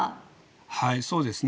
はいそうですね。